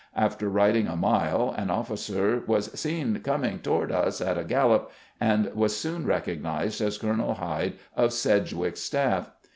After rid ing a mile, an officer was seen coming toward us at a gallop, and was soon recognized as Colonel Hyde of Sedgwick's staff.